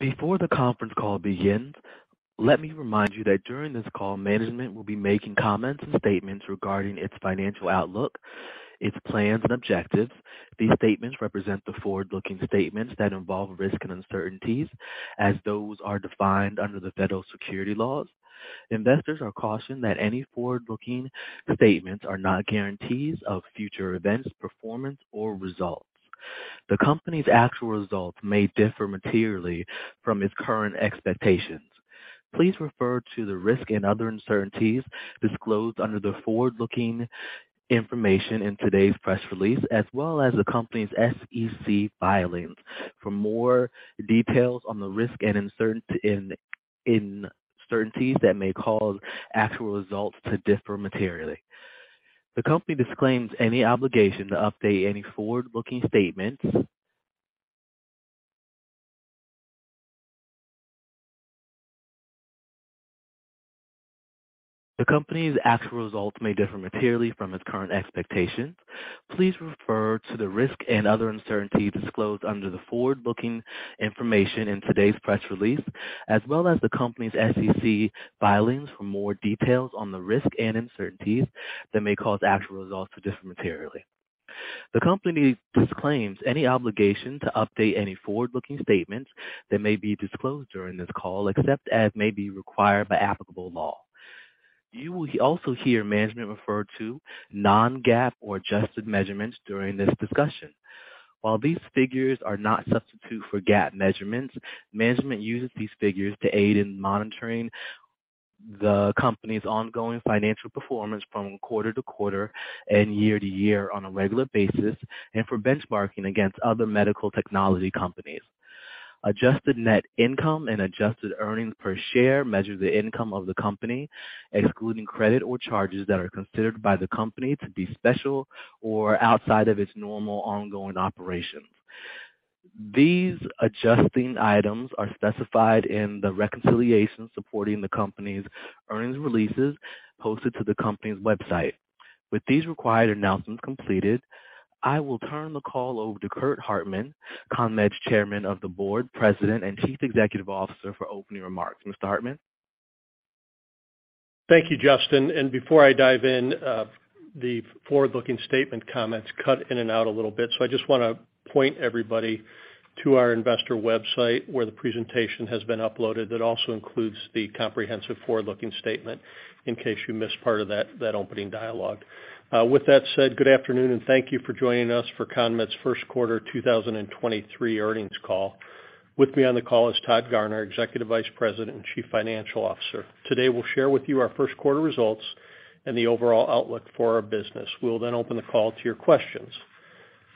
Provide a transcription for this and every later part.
Before the conference call begins, let me remind you that during this call, management will be making comments and statements regarding its financial outlook, its plans and objectives. These statements represent the forward-looking statements that involve risk and uncertainties as those are defined under the federal securities laws. Investors are cautioned that any forward-looking statements are not guarantees of future events, performance or results. The company disclaims any obligation to update any forward-looking statements that may be disclosed during this call, except as may be required by applicable law. You will also hear management refer to non-GAAP or adjusted measurements during this discussion. While these figures are not substitute for GAAP measurements, management uses these figures to aid in monitoring the company's ongoing financial performance from quarter to quarter and year to year on a regular basis, and for benchmarking against other medical technology companies. Adjusted net income and adjusted earnings per share measure the income of the company, excluding credit or charges that are considered by the company to be special or outside of its normal ongoing operations. These adjusting items are specified in the reconciliation supporting the company's earnings releases posted to the company's website. With these required announcements completed, I will turn the call over to Curt Hartman, CONMED's Chairman of the Board, President, and Chief Executive Officer, for opening remarks. Mr. Hartman. Thank you, Justin. Before I dive in, the forward-looking statement comments cut in and out a little bit. I just wanna point everybody to our investor website where the presentation has been uploaded. That also includes the comprehensive forward-looking statement in case you missed part of that opening dialogue. With that said, good afternoon. Thank you for joining us for CONMED's Q1 2023 earnings call. With me on the call is Todd Garner, Executive Vice President and Chief Financial Officer. Today, we'll share with you our Q1 results and the overall outlook for our business. We'll open the call to your questions.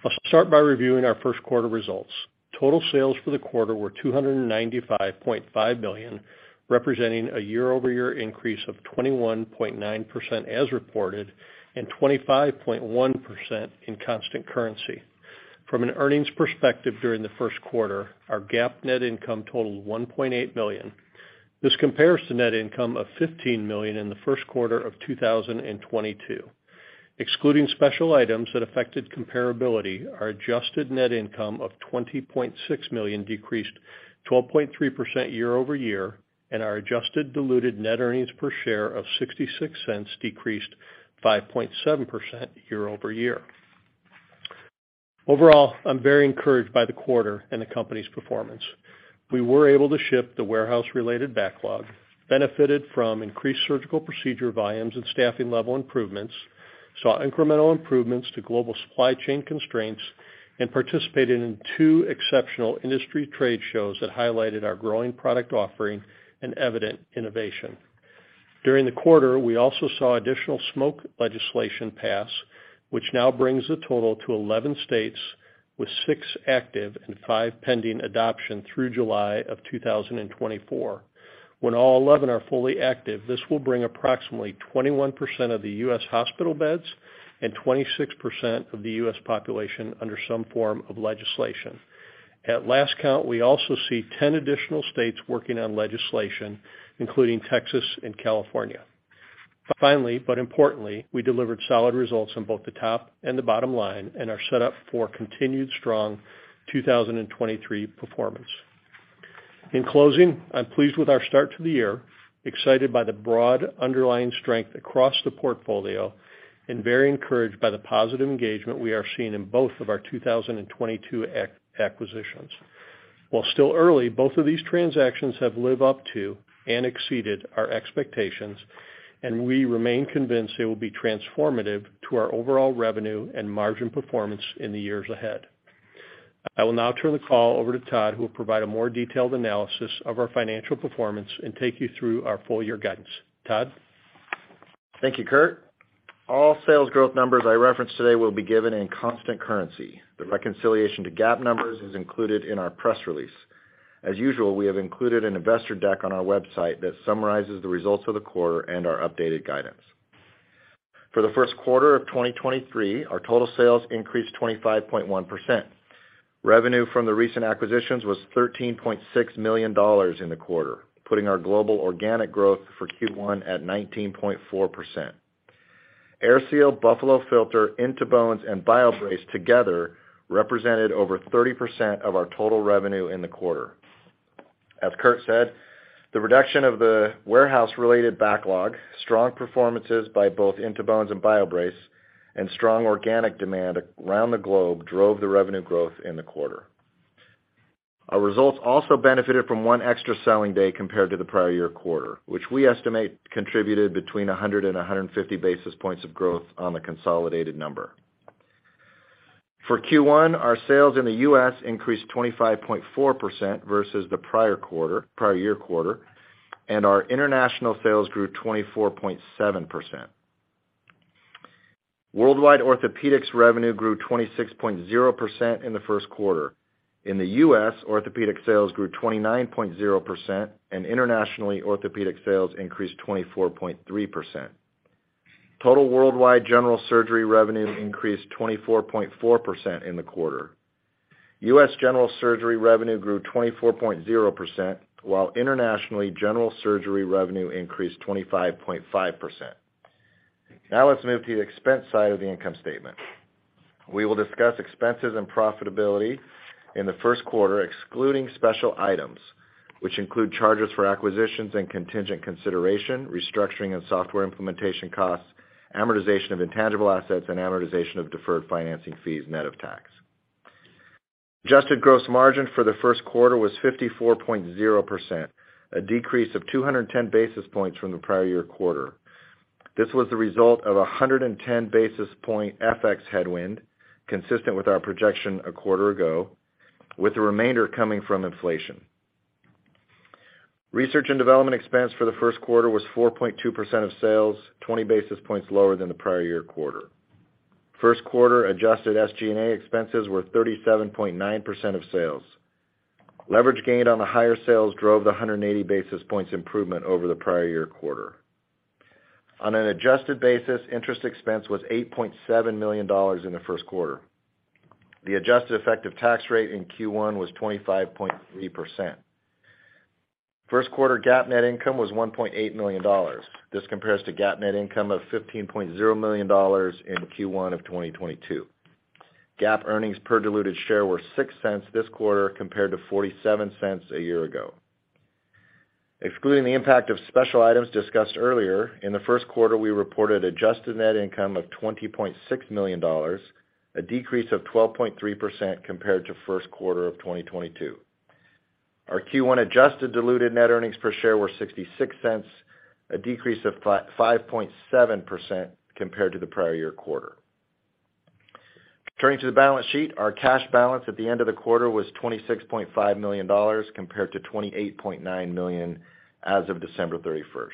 I'll start by reviewing our Q1 results. Total sales for the quarter were $295.5 million, representing a year-over-year increase of 21.9% as reported, and 25.1% in constant currency. From an earnings perspective during the Q1, our GAAP net income totaled $1.8 million. This compares to net income of $15 million in the Q1 of 2022. Excluding special items that affected comparability, our adjusted net income of $20.6 million decreased 12.3% year-over-year, and our adjusted diluted net earnings per share of $0.66 decreased 5.7% year-over-year. Overall, I'm very encouraged by the quarter and the company's performance. We were able to ship the warehouse-related backlog, benefited from increased surgical procedure volumes and staffing level improvements, saw incremental improvements to global supply chain constraints, and participated in 2 exceptional industry trade shows that highlighted our growing product offering and evident innovation. During the quarter, we also saw additional smoke legislation pass, which now brings the total to 11 states, with 6 active and 5 pending adoption through July of 2024. When all 11 are fully active, this will bring approximately 21% of the U.S. hospital beds and 26% of the U.S. population under some form of legislation. At last count, we also see 10 additional states working on legislation, including Texas and California. Finally, but importantly, we delivered solid results on both the top and the bottom line and are set up for continued strong 2023 performance. In closing, I'm pleased with our start to the year, excited by the broad underlying strength across the portfolio, and very encouraged by the positive engagement we are seeing in both of our 2022 acquisitions. While still early, both of these transactions have lived up to and exceeded our expectations. We remain convinced they will be transformative to our overall revenue and margin performance in the years ahead. I will now turn the call over to Todd, who will provide a more detailed analysis of our financial performance and take you through our full year guidance. Todd? Thank you, Curt. All sales growth numbers I reference today will be given in constant currency. The reconciliation to GAAP numbers is included in our press release. As usual, we have included an investor deck on our website that summarizes the results of the quarter and our updated guidance. For the Q1 of 2023, our total sales increased 25.1%. Revenue from the recent acquisitions was $13.6 million in the quarter, putting our global organic growth for Q1 at 19.4%. AirSeal, Buffalo Filter, In2Bones and BioBrace together represented over 30% of our total revenue in the quarter. As Curt said, the reduction of the warehouse-related backlog, strong performances by both In2Bones and BioBrace, and strong organic demand around the globe drove the revenue growth in the quarter. Our results also benefited from 1 extra selling day compared to the prior year quarter, which we estimate contributed between 100 and 150 basis points of growth on the consolidated number. For Q1, our sales in the U.S. increased 25.4% versus the prior year quarter, our international sales grew 24.7%. Worldwide orthopedics revenue grew 26.0% in the Q1. In the U.S., orthopedic sales grew 29.0%, internationally, orthopedic sales increased 24.3%. Total worldwide general surgery revenue increased 24.4% in the quarter. U.S. general surgery revenue grew 24.0%, while internationally, general surgery revenue increased 25.5%. Let's move to the expense side of the income statement. We will discuss expenses and profitability in the Q1, excluding special items, which include charges for acquisitions and contingent consideration, restructuring and software implementation costs, amortization of intangible assets, and amortization of deferred financing fees net of tax. Adjusted gross margin for the Q1 was 54.0%, a decrease of 210 basis points from the prior year quarter. This was the result of 110 basis point FX headwind, consistent with our projection a quarter ago, with the remainder coming from inflation. Research and development expense for the Q1 was 4.2% of sales, 20 basis points lower than the prior year quarter. Q1 adjusted SG&A expenses were 37.9% of sales. Leverage gained on the higher sales drove the 180 basis points improvement over the prior year quarter. On an adjusted basis, interest expense was $8.7 million in the Q1. The adjusted effective tax rate in Q1 was 25.3%. Q1 GAAP net income was $1.8 million. This compares to GAAP net income of $15.0 million in Q1 of 2022. GAAP earnings per diluted share were $0.06 this quarter, compared to $0.47 a year ago. Excluding the impact of special items discussed earlier, in the Q1, we reported adjusted net income of $20.6 million, a decrease of 12.3% compared to Q1 of 2022. Our Q1 adjusted diluted net earnings per share were $0.66, a decrease of 5.7% compared to the prior year quarter. Turning to the balance sheet, our cash balance at the end of the quarter was $26.5 million compared to $28.9 million as of December 31st.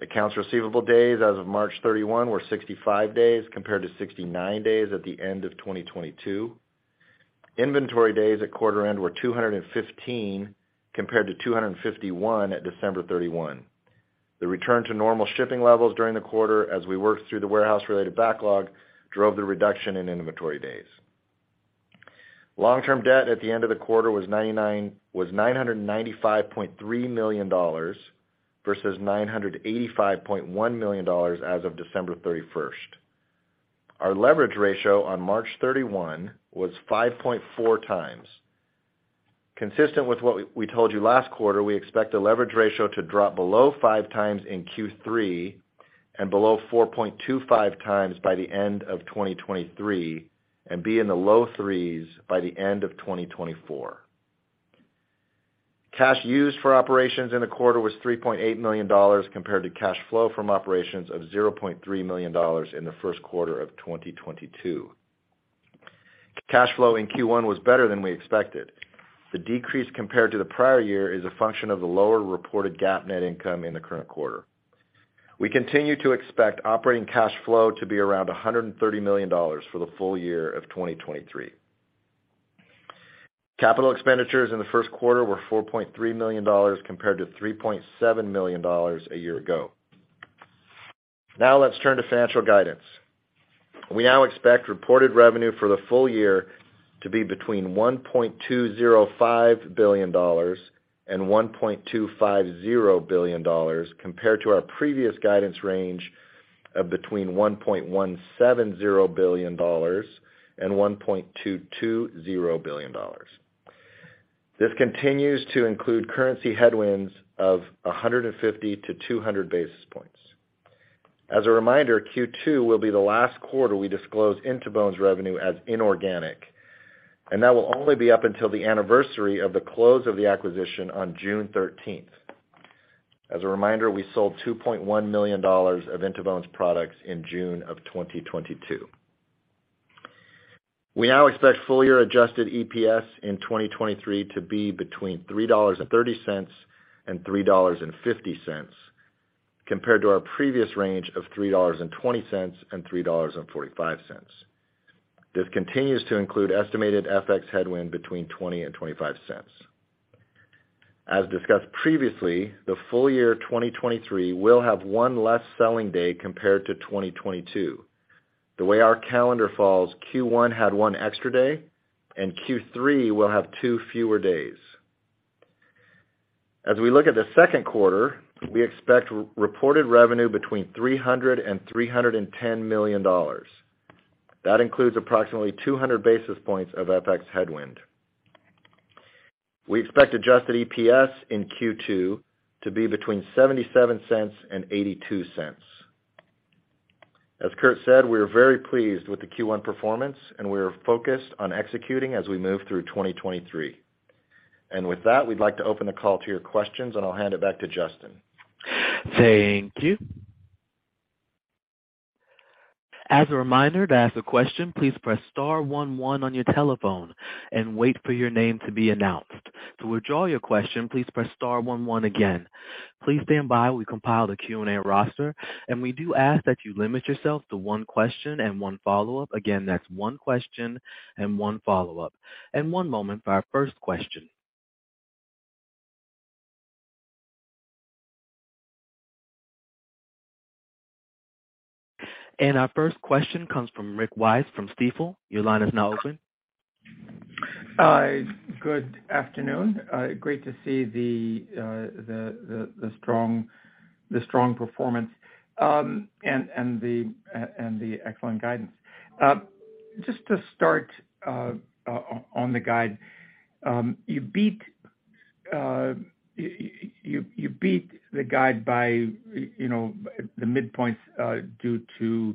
Accounts receivable days as of March 31 were 65 days compared to 69 days at the end of 2022. Inventory days at quarter end were 215 compared to 251 at December 31. The return to normal shipping levels during the quarter as we worked through the warehouse-related backlog drove the reduction in inventory days. Long-term debt at the end of the quarter was $995.3 million versus $985.1 million as of December 31st. Our leverage ratio on March 31 was 5.4 times. Consistent with what we told you last quarter, we expect the leverage ratio to drop below 5 times in Q3 and below 4.25 times by the end of 2023 and be in the low 3s by the end of 2024. Cash used for operations in the quarter was $3.8 million compared to cash flow from operations of $0.3 million in the Q1 of 2022. Cash flow in Q1 was better than we expected. The decrease compared to the prior year is a function of the lower reported GAAP net income in the current quarter. We continue to expect operating cash flow to be around $130 million for the full year of 2023. Capital expenditures in the Q1 were $4.3 million compared to $3.7 million a year ago. Let's turn to financial guidance. We now expect reported revenue for the full year to be between $1.205 billion and $1.250 billion compared to our previous guidance range of between $1.170 billion and $1.220 billion. This continues to include currency headwinds of 150-200 basis points. As a reminder, Q2 will be the last quarter we disclose In2Bones revenue as inorganic, and that will only be up until the anniversary of the close of the acquisition on June 13th. As a reminder, we sold $2.1 million of In2Bones products in June 2022. We now expect full year adjusted EPS in 2023 to be between $3.30 and $3.50 compared to our previous range of $3.20 and $3.45. This continues to include estimated FX headwind between $0.20 and $0.25. As discussed previously, the full year 2023 will have one less selling day compared to 2022. The way our calendar falls, Q1 had one extra day and Q3 will have two fewer days. As we look at the Q2, we expect re-reported revenue between $300 million and $310 million. That includes approximately 200 basis points of FX headwind. We expect adjusted EPS in Q2 to be between $0.77 and $0.82. As Curt said, we are very pleased with the Q1 performance, and we are focused on executing as we move through 2023. With that, we'd like to open the call to your questions, and I'll hand it back to Justin. Thank you. As a reminder, to ask a question, please press star 11 on your telephone and wait for your name to be announced. To withdraw your question, please press star 11 again. Please stand by. We compiled a Q&A roster. We do ask that you limit yourself to one question and one follow-up. Again, that's one question and one follow-up. One moment for our first question. Our first question comes from Rick Wise from Stifel. Your line is now open. Good afternoon. Great to see the strong performance, and the excellent guidance. Just to start, on the guide, you beat the guide by, you know, the midpoints, due to,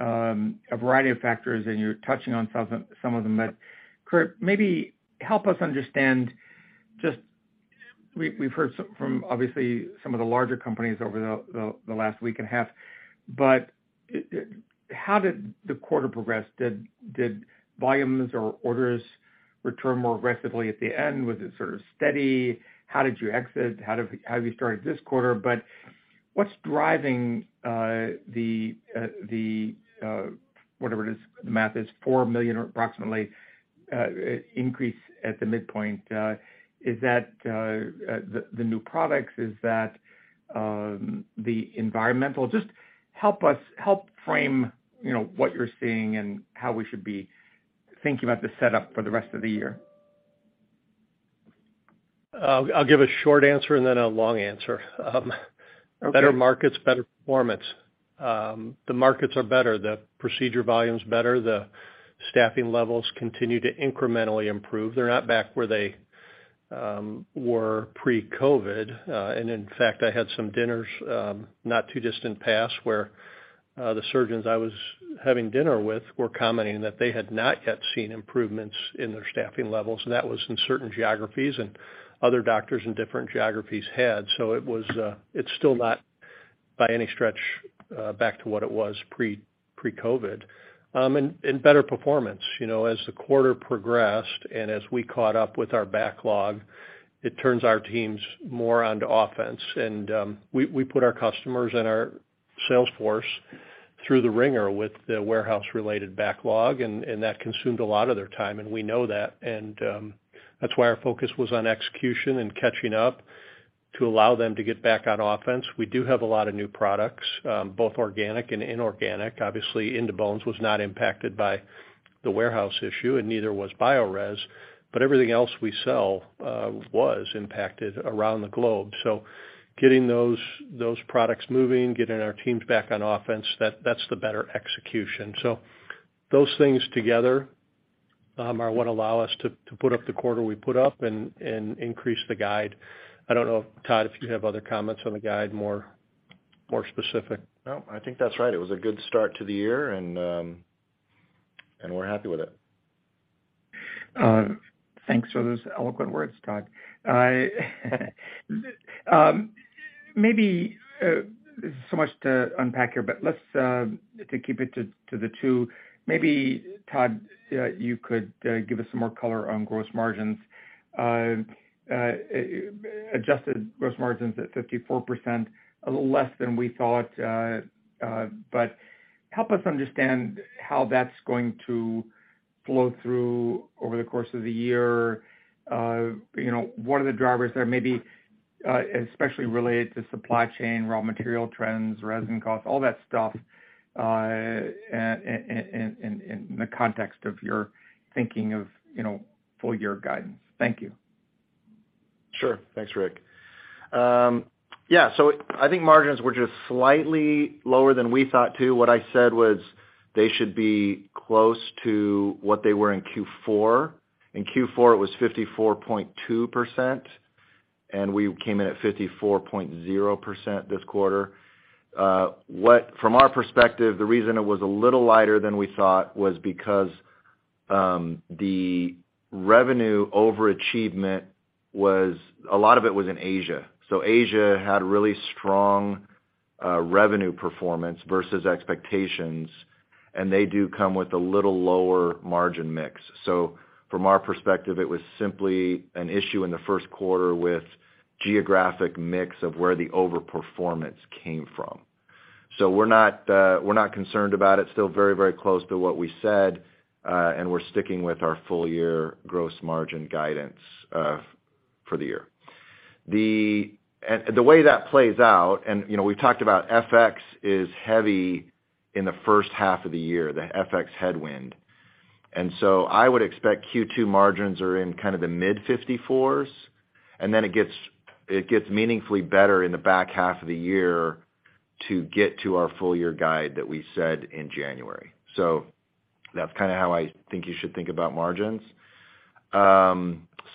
a variety of factors, and you're touching on some of them. Curt, maybe help us understand. We've heard some from, obviously, some of the larger companies over the last week and a half, but, how did the quarter progress? Did volumes or orders return more aggressively at the end? Was it sort of steady? How did you exit? Have you started this quarter? What's driving, whatever it is, the math is $4 million or approximately, increase at the midpoint. Is that the new products? Is that the environmental? Just help frame, you know, what you're seeing and how we should be thinking about the setup for the rest of the year. I'll give a short answer and then a long answer. Okay. Better markets, better performance. The markets are better. The procedure volume's better. The staffing levels continue to incrementally improve. They're not back where they were pre-COVID. In fact, I had some dinners not too distant past where the surgeons I was having dinner with were commenting that they had not yet seen improvements in their staffing levels, and that was in certain geographies and other doctors in different geographies had. It's still not, by any stretch, back to what it was pre-COVID. Better performance. You know, as the quarter progressed and as we caught up with our backlog, it turns our teams more onto offense. We put our customers and our sales force through the wringer with the warehouse-related backlog, and that consumed a lot of their time, and we know that. That's why our focus was on execution and catching up to allow them to get back on offense. We do have a lot of new products, both organic and inorganic. Obviously, In2Bones was not impacted by the warehouse issue, and neither was Biorez. Everything else we sell was impacted around the globe. Getting those products moving, getting our teams back on offense, that's the better execution. Those things together are what allow us to put up the quarter we put up and increase the guide. I don't know if, Todd, if you have other comments on the guide, more specific. No, I think that's right. It was a good start to the year and we're happy with it. Thanks for those eloquent words, Todd. Maybe, so much to unpack here, but let's to keep it to the two, maybe Todd, you could give us some more color on gross margins. Adjusted gross margins at 54%, a little less than we thought. Help us understand how that's going to flow through over the course of the year. You know, what are the drivers there, maybe, especially related to supply chain, raw material trends, resin costs, all that stuff, in the context of your thinking of, you know, full year guidance. Thank you. Sure. Thanks, Rick. yeah. I think margins were just slightly lower than we thought too. What I said was they should be close to what they were in Q4. In Q4, it was 54.2%, and we came in at 54.0% this quarter. From our perspective, the reason it was a little lighter than we thought was because the revenue overachievement was, a lot of it was in Asia. Asia had really strong revenue performance versus expectations, and they do come with a little lower margin mix. From our perspective, it was simply an issue in the Q1 with geographic mix of where the overperformance came from. we're not concerned about it. Still very, very close to what we said, we're sticking with our full year gross margin guidance, for the year. The way that plays out, and, you know, we've talked about FX is heavy in the H1 of the year, the FX headwind. I would expect Q2 margins are in kind of the mid 54s, and then it gets meaningfully better in the back half of the year to get to our full year guide that we said in January. That's kind of how I think you should think about margins.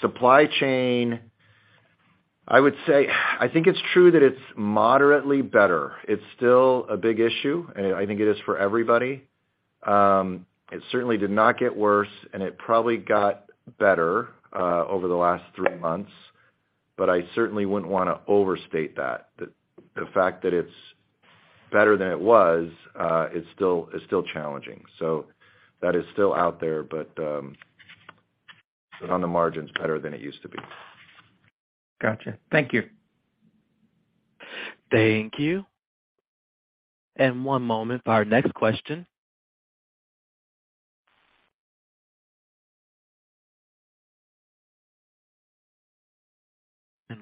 Supply chain, I would say I think it's true that it's moderately better. It's still a big issue, and I think it is for everybody. It certainly did not get worse, and it probably got better, over the last three months, but I certainly wouldn't want to overstate that. The fact that it's better than it was, is still challenging. That is still out there, on the margins better than it used to be. Got you. Thank you. Thank you. One moment for our next question.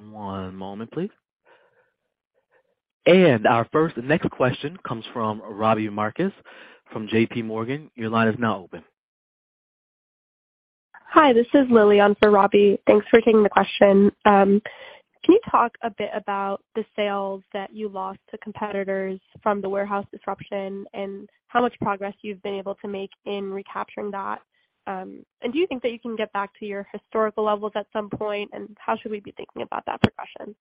One moment, please. Our first next question comes from Robbie Marcus from J.P. Morgan. Your line is now open. Hi, this is Lily on for Robbie. Thanks for taking the question. Can you talk a bit about the sales that you lost to competitors from the warehouse disruption and how much progress you've been able to make in recapturing that? Do you think that you can get back to your historical levels at some point? How should we be thinking about that progression?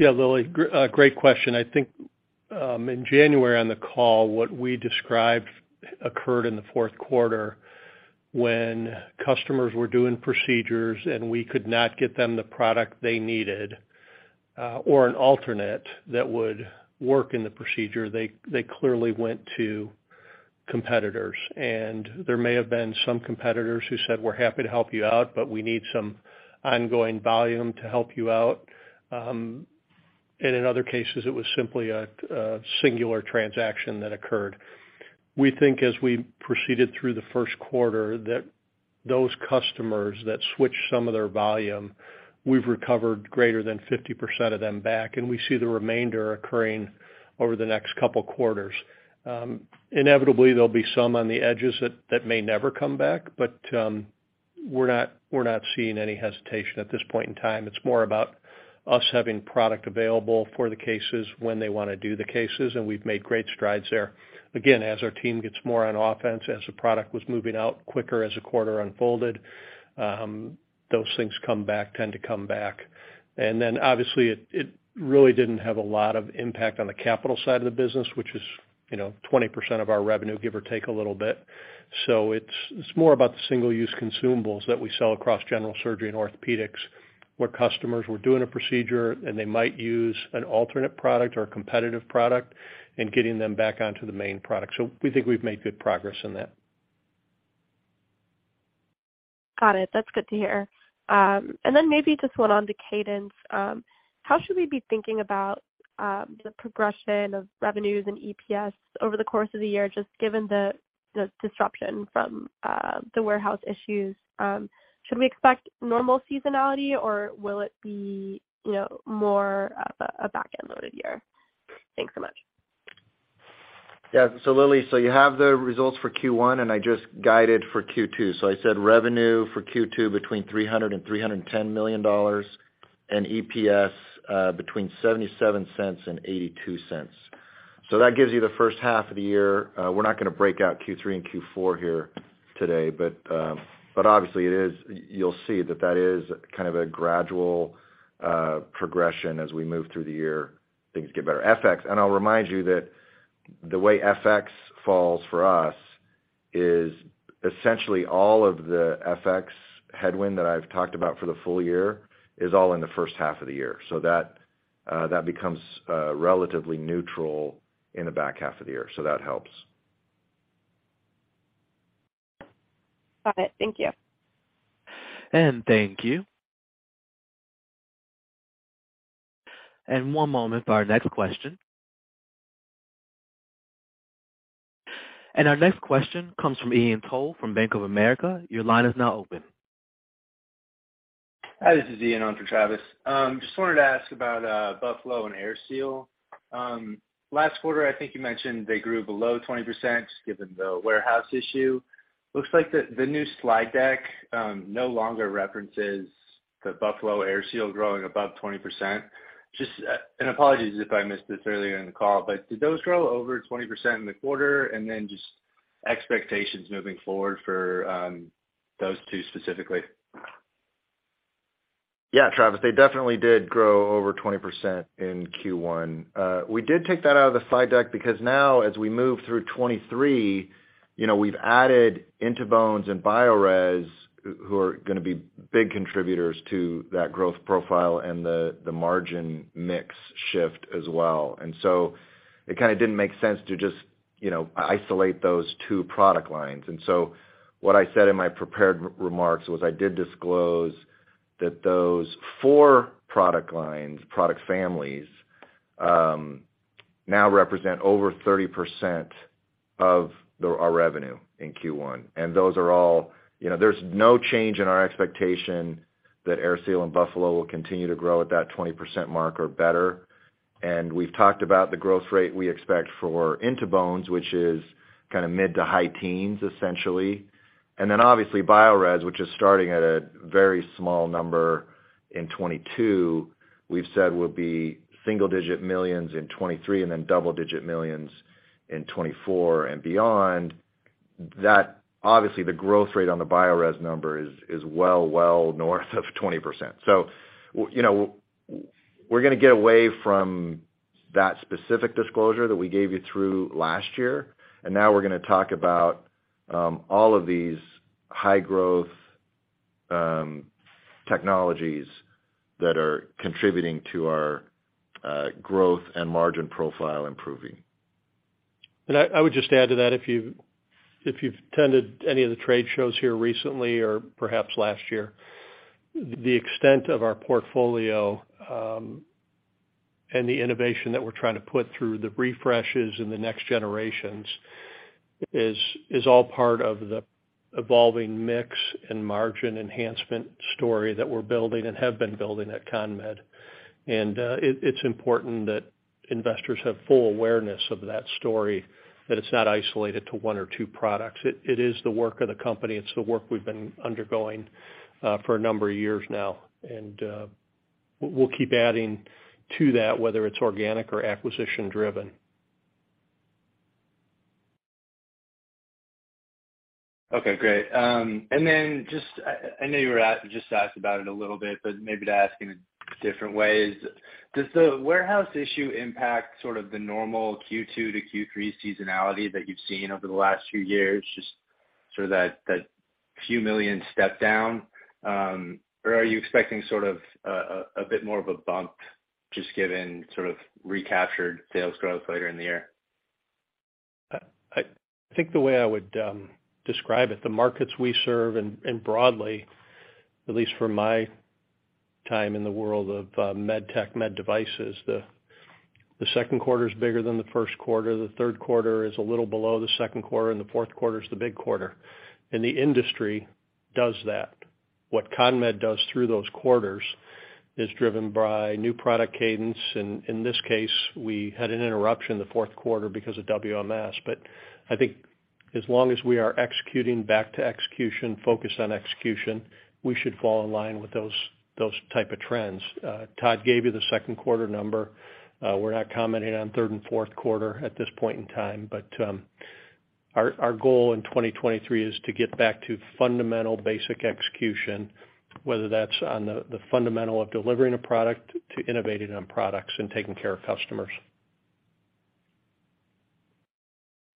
Yeah, Lily, great question. I think, in January on the call, what we described occurred in the Q4 when customers were doing procedures and we could not get them the product they needed, or an alternate that would work in the procedure. They clearly went to competitors. And there may have been some competitors who said, "We're happy to help you out, but we need some ongoing volume to help you out." And in other cases, it was simply a singular transaction that occurred. We think as we proceeded through the Q1 that those customers that switched some of their volume, we've recovered greater than 50% of them back, and we see the remainder occurring over the next couple quarters. Inevitably there'll be some on the edges that may never come back, but we're not seeing any hesitation at this point in time. It's more about us having product available for the cases when they wanna do the cases, and we've made great strides there. Again, as our team gets more on offense, as the product was moving out quicker, as the quarter unfolded, those things come back, tend to come back. Obviously it really didn't have a lot of impact on the capital side of the business, which is 20% of our revenue, give or take a little bit. It's more about the single-use consumables that we sell across general surgery and orthopedics, where customers were doing a procedure and they might use an alternate product or a competitive product, and getting them back onto the main product. We think we've made good progress in that. Got it. That's good to hear. Maybe just one on the cadence. How should we be thinking about the progression of revenues and EPS over the course of the year, just given the disruption from the warehouse issues? Should we expect normal seasonality, or will it be, you know, more of a back-end loaded year? Thanks so much. Lily, you have the results for Q1, and I just guided for Q2. I said revenue for Q2 between $300 to 310 million and EPS between $0.77 to 0.82. That gives you the H1 of the year. We're not gonna break out Q3 and Q4 here today, but obviously you'll see that that is kind of a gradual progression as we move through the year, things get better. FX, and I'll remind you that the way FX falls for us is essentially all of the FX headwind that I've talked about for the full year is all in the H1 of the year. That becomes relatively neutral in the back half of the year. That helps. Got it. Thank you. Thank you. One moment for our next question. Our next question comes from Ian Toll from Bank of America. Your line is now open. Hi, this is Ian on for Travis. Just wanted to ask about Buffalo and AirSeal. Last quarter, I think you mentioned they grew below 20% given the warehouse issue. Looks like the new slide deck no longer references the Buffalo, AirSeal growing above 20%. Just apologies if I missed this earlier in the call, but did those grow over 20% in the quarter? Then just expectations moving forward for those two specifically. Yeah, Travis, they definitely did grow over 20% in Q1. We did take that out of the slide deck because now as we move through 2023, you know, we've added In2Bones and Biorez, who are gonna be big contributors to that growth profile and the margin mix shift as well. It kinda didn't make sense to just, you know, isolate those two product lines. What I said in my prepared remarks was I did disclose that those four product lines, product families, now represent over 30% of our revenue in Q1. Those are all, you know, there's no change in our expectation that AirSeal and Buffalo will continue to grow at that 20% mark or better. We've talked about the growth rate we expect for In2Bones, which is kind of mid to high teens essentially. Obviously Biorez, which is starting at a very small number in 2022, we've said will be single digit millions in 2023 double digit millions in 2024 and beyond. That obviously the growth rate on the Biorez number is well north of 20%. We're gonna get away from that specific disclosure that we gave you through last year, we're gonna talk about all of these high growth technologies that are contributing to our growth and margin profile improving. I would just add to that, if you've attended any of the trade shows here recently or perhaps last year, the extent of our portfolio, and the innovation that we're trying to put through the refreshes in the next generations is all part of the evolving mix and margin enhancement story that we're building and have been building at CONMED. It's important that investors have full awareness of that story, that it's not isolated to one or two products. It is the work of the company. It's the work we've been undergoing for a number of years now. We'll keep adding to that, whether it's organic or acquisition driven. Okay, great. Just, I know you were just asked about it a little bit, but maybe to ask in a different way is, does the warehouse issue impact sort of the normal Q2 to Q3 seasonality that you've seen over the last few years, just sort of that few million step down? Or are you expecting sort of a bit more of a bump just given sort of recaptured sales growth later in the year? I think the way I would describe it, the markets we serve and broadly, at least from my time in the world of medtech, med devices, the Q2 is bigger than the Q1. The Q3 is a little below the Q2, and the Q4 is the big quarter. The industry does that. What CONMED does through those quarters is driven by new product cadence, and in this case, we had an interruption in the Q4 because of WMS. I think as long as we are executing back to execution, focused on execution, we should fall in line with those type of trends. Todd gave you the Q2 number. We're not commenting on third and Q4 at this point in time. Our goal in 2023 is to get back to fundamental basic execution, whether that's on the fundamental of delivering a product to innovating on products and taking care of customers.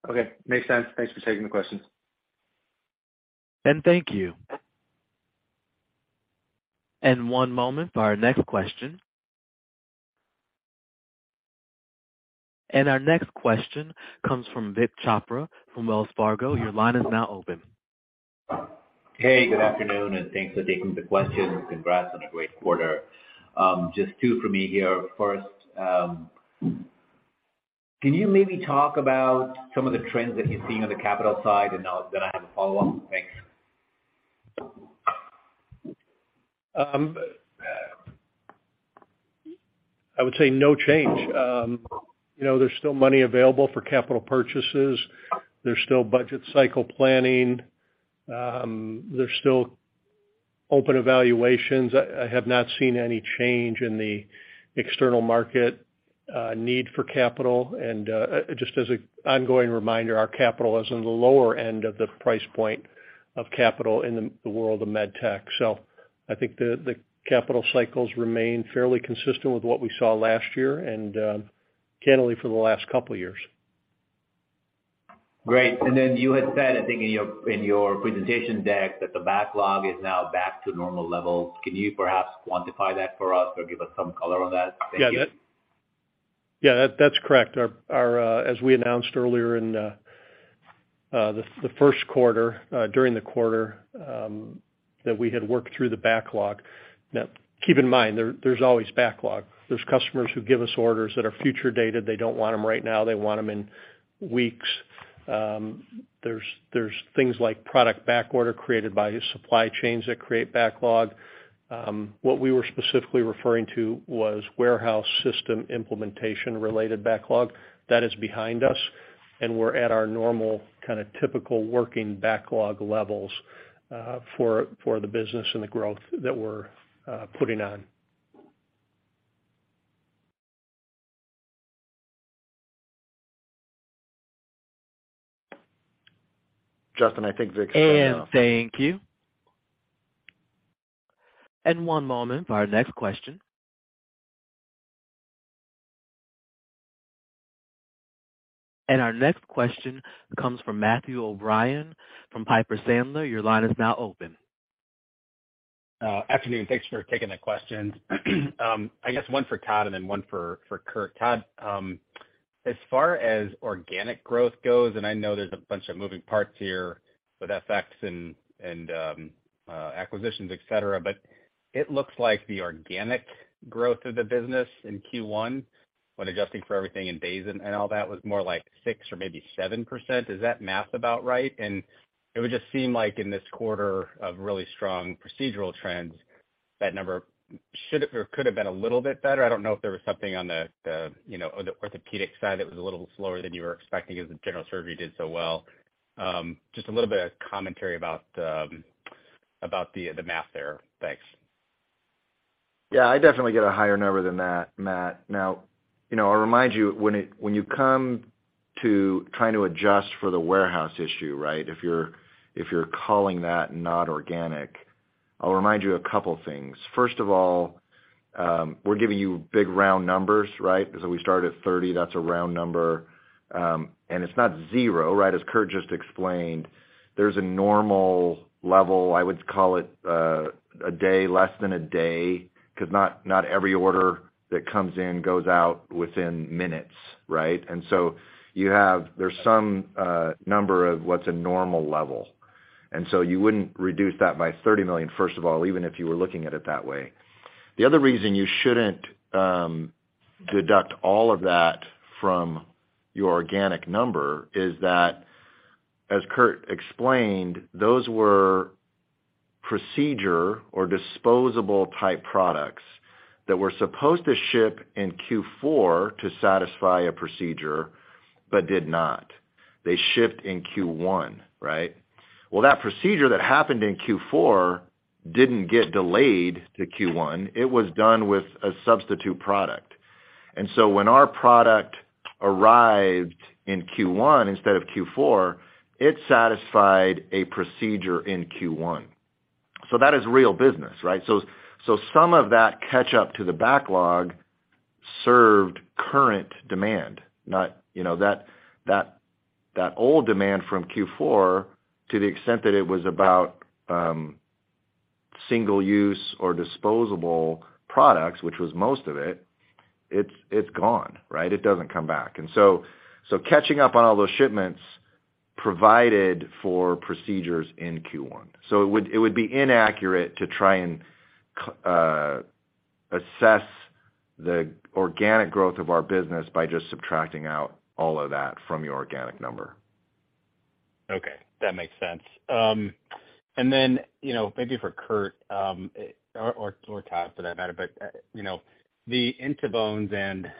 Okay. Makes sense. Thanks for taking the question. Thank you. One moment for our next question. Our next question comes from Vik Chopra from Wells Fargo. Your line is now open. Hey, good afternoon, and thanks for taking the question. Congrats on a great quarter. Just 2 for me here. First, can you maybe talk about some of the trends that you're seeing on the capital side? Then I have a follow-up. Thanks. I would say no change. You know, there's still money available for capital purchases. There's still budget cycle planning. There's still open evaluations. I have not seen any change in the external market, need for capital. Just as a ongoing reminder, our capital is in the lower end of the price point of capital in the world of Medtech. I think the capital cycles remain fairly consistent with what we saw last year and candidly for the last couple years. Great. You had said, I think in your, in your presentation deck that the backlog is now back to normal levels. Can you perhaps quantify that for us or give us some color on that? Thank you. Yeah. Yeah, that's correct. Our, as we announced earlier in the Q1, during the quarter, that we had worked through the backlog. Now, keep in mind, there's always backlog. There's customers who give us orders that are future dated. They don't want them right now. They want them in weeks. There's things like product backorder created by supply chains that create backlog. What we were specifically referring to was warehouse system implementation-related backlog. That is behind us, and we're at our normal kind of typical working backlog levels for the business and the growth that we're putting on. Justin, I think Vik is done now. Thank you. One moment for our next question. Our next question comes from Matthew O'Brien from Piper Sandler. Your line is now open. Afternoon. Thanks for taking the questions. I guess one for Todd and then one for Curt. Todd, as far as organic growth goes, and I know there's a bunch of moving parts here with FX and acquisitions, et cetera, but it looks like the organic growth of the business in Q1 When adjusting for everything in days and all that was more like 6% or maybe 7%. Is that math about right? It would just seem like in this quarter of really strong procedural trends, that number should have or could have been a little bit better. I don't know if there was something on the, you know, on the orthopedic side that was a little slower than you were expecting as the general surgery did so well. Just a little bit of commentary about the math there. Thanks. Yeah, I definitely get a higher number than that, Matt. You know, I'll remind you when you come to trying to adjust for the warehouse issue, right? If you're, if you're calling that not organic, I'll remind you a couple things. First of all, we're giving you big round numbers, right? Because we started at 30, that's a round number, and it's not 0, right? As Curt just explained, there's a normal level, I would call it, a day, less than a day, because not every order that comes in goes out within minutes, right? There's some number of what's a normal level, and so you wouldn't reduce that by $30 million, first of all, even if you were looking at it that way. The other reason you shouldn't deduct all of that from your organic number is that, as Curt explained, those were procedure or disposable type products that were supposed to ship in Q4 to satisfy a procedure, but did not. They shipped in Q1, right? Well, that procedure that happened in Q4 didn't get delayed to Q1. It was done with a substitute product. When our product arrived in Q1 instead of Q4, it satisfied a procedure in Q1. That is real business, right? Some of that catch up to the backlog served current demand, not, you know, that old demand from Q4 to the extent that it was about single use or disposable products, which was most of it's gone, right? It doesn't come back. Catching up on all those shipments provided for procedures in Q1. It would be inaccurate to try and assess the organic growth of our business by just subtracting out all of that from your organic number. Okay, that makes sense. You know, maybe for Curt, or Todd for that matter. You know, the In2Bones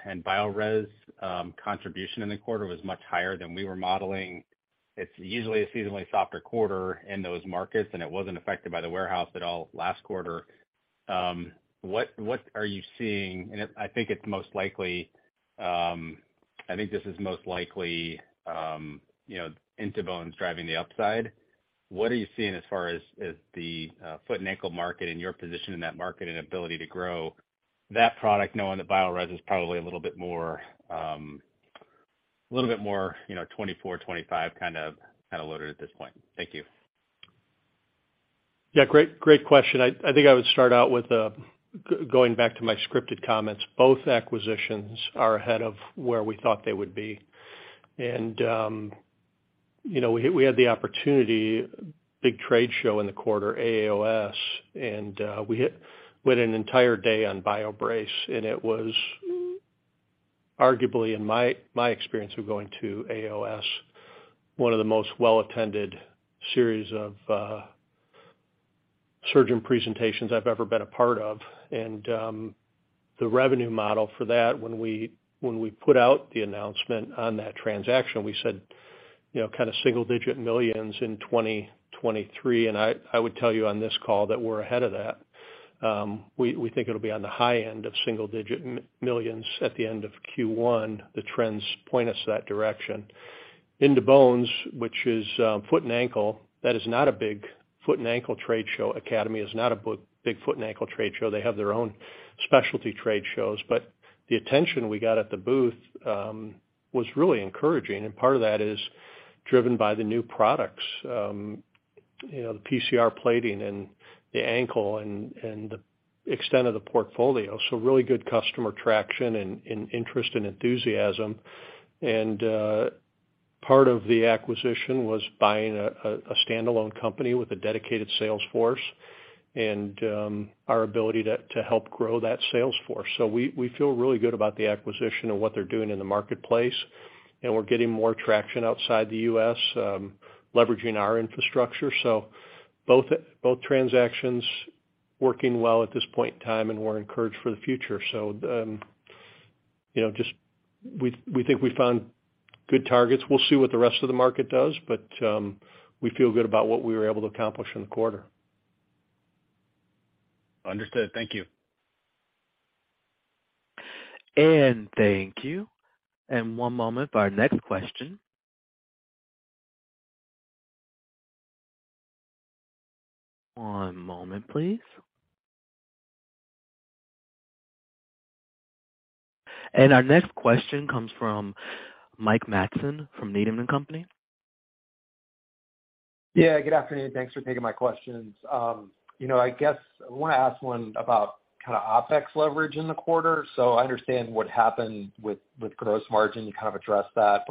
and Biorez contribution in the quarter was much higher than we were modeling. It's usually a seasonally softer quarter in those markets, and it wasn't affected by the warehouse at all last quarter. What are you seeing? I think it's most likely, I think this is most likely, you know, In2Bones driving the upside. What are you seeing as far as the foot and ankle market and your position in that market and ability to grow that product, knowing that Biorez is probably a little bit more, a little bit more, you know, 2024, 2025 kind of loaded at this point? Thank you. Great, great question. I think I would start out with going back to my scripted comments. Both acquisitions are ahead of where we thought they would be. You know, we had the opportunity, big trade show in the quarter, AAOS, and we went an entire day on BioBrace, and it was arguably, in my experience of going to AAOS, one of the most well-attended series of surgeon presentations I've ever been a part of. The revenue model for that, when we put out the announcement on that transaction, we said, you know, kind of single digit millions in 2023. I would tell you on this call that we're ahead of that. We think it'll be on the high end of single digit millions at the end of Q1. The trends point us that direction. In2Bones, which is foot and ankle, that is not a big foot and ankle trade show. Academy is not a big foot and ankle trade show. They have their own specialty trade shows. The attention we got at the booth was really encouraging. Part of that is driven by the new products, you know, the PCR plating and the ankle and the extent of the portfolio. Really good customer traction and interest and enthusiasm. Part of the acquisition was buying a standalone company with a dedicated sales force and our ability to help grow that sales force. We feel really good about the acquisition and what they're doing in the marketplace. We're getting more traction outside the U.S., leveraging our infrastructure. Both transactions working well at this point in time, and we're encouraged for the future. You know, just we think we found good targets. We'll see what the rest of the market does, but we feel good about what we were able to accomplish in the quarter. Understood. Thank you. Thank you. One moment for our next question. One moment, please. Our next question comes from Mike Matson from Needham & Company. Yeah, good afternoon. Thanks for taking my questions. You know, I guess I want to ask one about kind of OpEx leverage in the quarter. I understand what happened with gross margin. You kind of addressed that.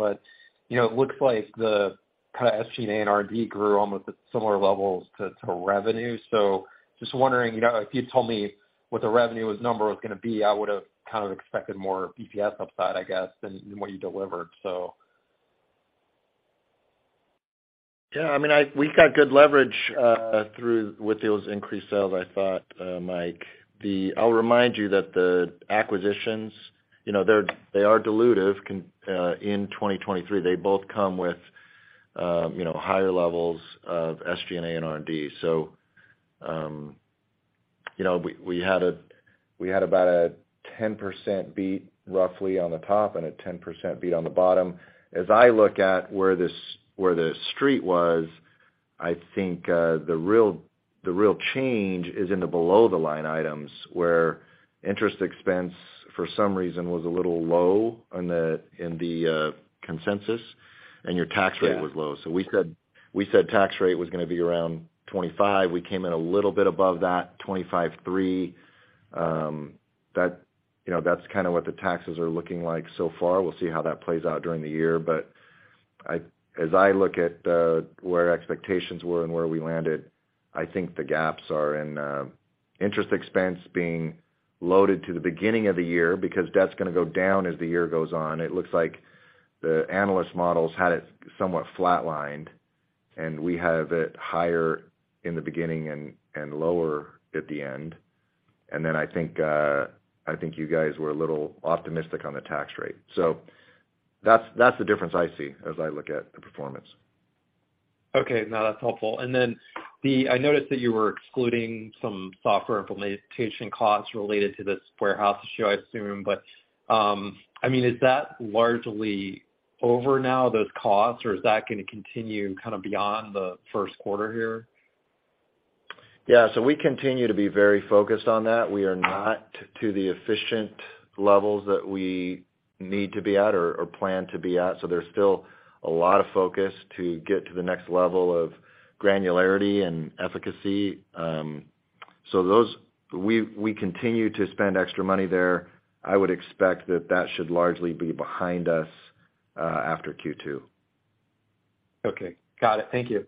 You know, it looks like the kind of SG&A and R&D grew almost at similar levels to revenue. Just wondering, you know, if you told me what the revenue was number was gonna be, I would have kind of expected more EPS upside, I guess, than what you delivered. So. Yeah, I mean, we got good leverage through with those increased sales, I thought, Mike. I'll remind you that the acquisitions, you know, they are dilutive in 2023. They both come with, you know, higher levels of SG&A and R&D. You know, we had about a 10% beat roughly on the top and a 10% beat on the bottom. As I look at where the Street was, I think the real change is in the below-the-line items, where interest expense for some reason was a little low in the consensus, and your tax rate was low. We said tax rate was gonna be around 25%. We came in a little bit above that, 25.3%. That, you know, that's kinda what the taxes are looking like so far. We'll see how that plays out during the year. As I look at where expectations were and where we landed, I think the gaps are in interest expense being loaded to the beginning of the year because that's gonna go down as the year goes on. It looks like the analyst models had it somewhat flatlined, and we have it higher in the beginning and lower at the end. I think you guys were a little optimistic on the tax rate. That's the difference I see as I look at the performance. Okay. No, that's helpful. Then I noticed that you were excluding some software implementation costs related to this warehouse issue, I assume. I mean, is that largely over now, those costs? Or is that gonna continue kind of beyond the Q1 here? Yeah. We continue to be very focused on that. We are not to the efficient levels that we need to be at or plan to be at, so there's still a lot of focus to get to the next level of granularity and efficacy. We continue to spend extra money there. I would expect that that should largely be behind us after Q2. Okay. Got it. Thank you.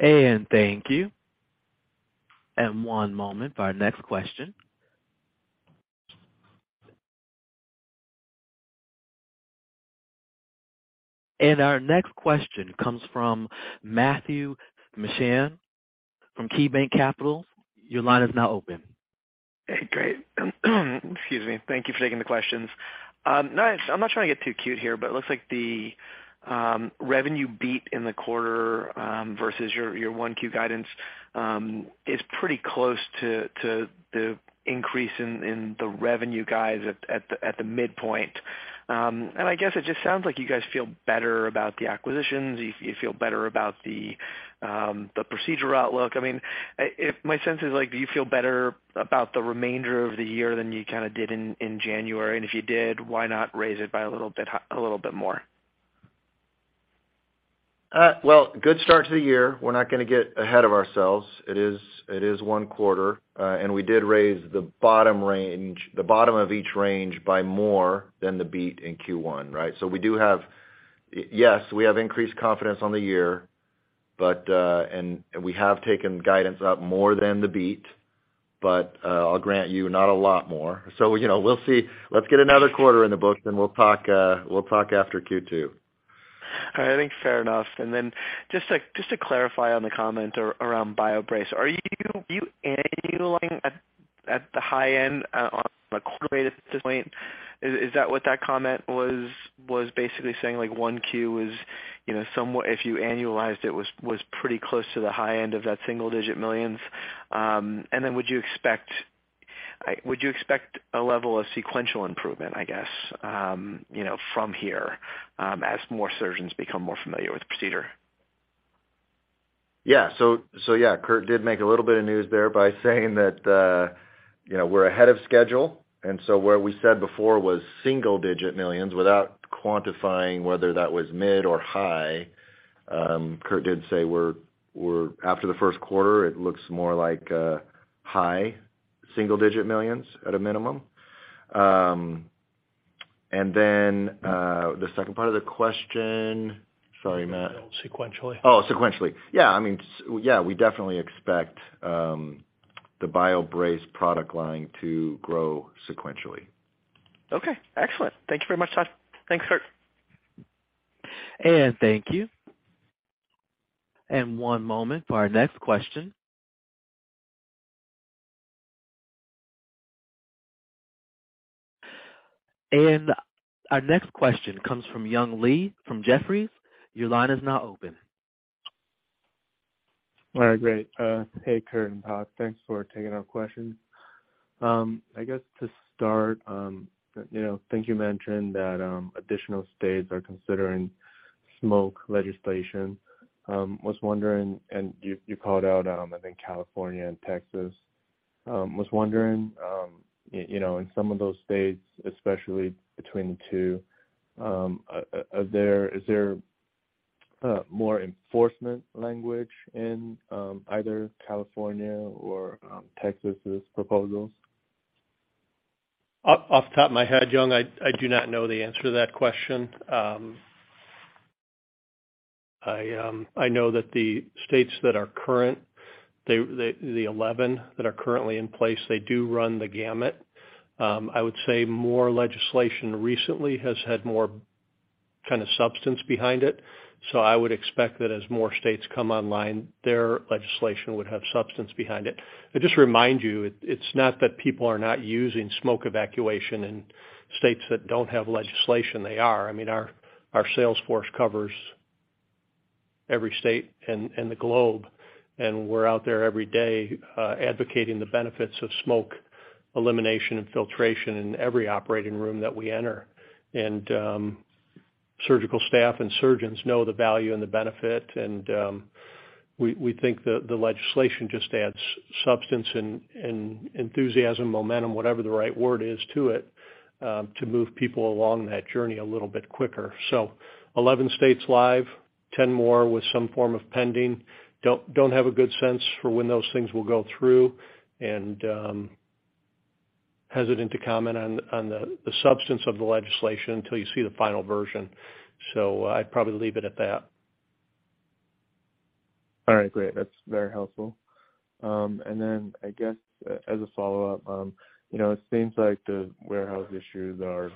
Thank you. One moment for our next question. Our next question comes from Matthew Mishan from KeyBanc Capital. Your line is now open. Hey, great. Excuse me. Thank you for taking the questions. Nice. I'm not trying to get too cute here, but it looks like the revenue beat in the quarter versus your 1Q guidance is pretty close to increase in the revenue guides at the midpoint. I guess it just sounds like you guys feel better about the acquisitions. You feel better about the procedural outlook. I mean, if my sense is like, do you feel better about the remainder of the year than you kinda did in January? If you did, why not raise it by a little bit more? Well, good start to the year. We're not gonna get ahead of ourselves. It is, it is one quarter, and we did raise the bottom range, the bottom of each range by more than the beat in Q1, right? We do have, yes, we have increased confidence on the year, but, and we have taken guidance up more than the beat, but, I'll grant you, not a lot more. You know, we'll see. Let's get another quarter in the books, then we'll talk, we'll talk after Q2. All right. I think fair enough. Just to clarify on the comment around BioBrace. Are you annualizing at the high end on a quarterly at this point? Is that what that comment was basically saying like 1 Q was, you know, somewhat if you annualized it was pretty close to the high end of that single-digit millions? Would you expect a level of sequential improvement, I guess, you know, from here as more surgeons become more familiar with the procedure? Yeah, Curt did make a little bit of news there by saying that, you know, we're ahead of schedule. Where we said before was single digit millions without quantifying whether that was mid or high. Curt did say we're after the Q1, it looks more like high single digit millions at a minimum. Then, the second part of the question. Sorry, Matt. Sequentially. Oh, sequentially. Yeah. I mean, yeah, we definitely expect the BioBrace product line to grow sequentially. Okay. Excellent. Thank you very much, Todd. Thanks, Curt. Thank you. One moment for our next question. Our next question comes from Young Li from Jefferies. Your line is now open. All right, great. Hey, Curt and Todd. Thanks for taking our questions. I guess to start, you know, think you mentioned that additional states are considering smoke legislation. was wondering, and you called out, I think California and Texas. was wondering, you know, in some of those states, especially between the two, is there more enforcement language in either California or Texas's proposals? Off the top of my head, Young, I do not know the answer to that question. I know that the states that are current, the 11 that are currently in place, they do run the gamut. I would say more legislation recently has had more kind of substance behind it, so I would expect that as more states come online, their legislation would have substance behind it. I'd just remind you, it's not that people are not using smoke evacuation in states that don't have legislation. They are. I mean, our sales force covers every state in the globe, and we're out there every day, advocating the benefits of smoke elimination and filtration in every operating room that we enter. Surgical staff and surgeons know the value and the benefit, we think that the legislation just adds substance and enthusiasm, momentum, whatever the right word is to it, to move people along that journey a little bit quicker. 11 states live, 10 more with some form of pending. Don't have a good sense for when those things will go through, and hesitant to comment on the substance of the legislation until you see the final version. I'd probably leave it at that. All right, great. That's very helpful. I guess as a follow-up, you know, it seems like the warehouse issues are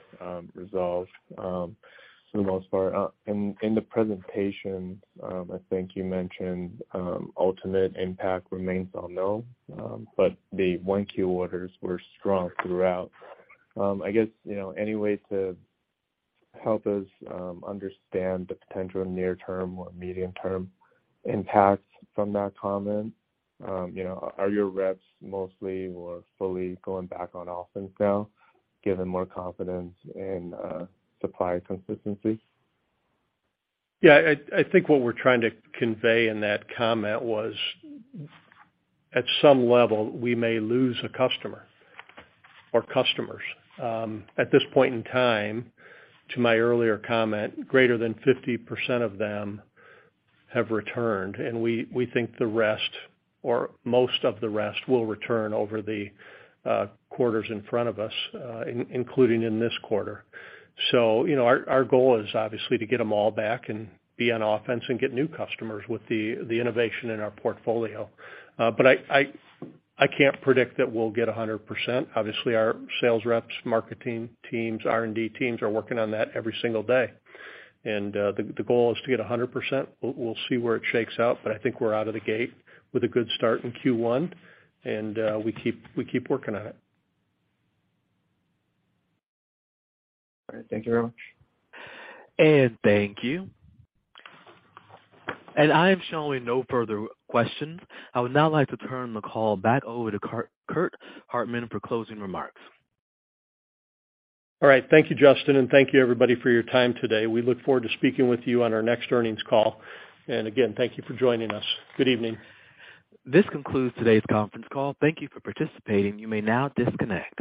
resolved for the most part. In the presentation, I think you mentioned ultimate impact remains unknown, but the Q1 orders were strong throughout. I guess, you know, any way to help us understand the potential near term or medium term impacts from that comment? You know, are your reps mostly or fully going back on offense now, given more confidence in supply consistency? I think what we're trying to convey in that comment was at some level, we may lose a customer or customers. At this point in time, to my earlier comment, greater than 50% of them have returned, and we think the rest or most of the rest will return over the quarters in front of us, including in this quarter. You know, our goal is obviously to get them all back and be on offense and get new customers with the innovation in our portfolio. But I can't predict that we'll get a 100%. Obviously, our sales reps, marketing teams, R&D teams are working on that every single day. The goal is to get a 100%. We'll see where it shakes out, but I think we're out of the gate with a good start in Q1, and we keep working on it. All right. Thank you very much. Thank you. I am showing no further questions. I would now like to turn the call back over to Curt Hartman for closing remarks. All right. Thank you, Justin, and thank you everybody for your time today. We look forward to speaking with you on our next earnings call. Again, thank you for joining us. Good evening. This concludes today's conference call. Thank you for participating. You may now disconnect.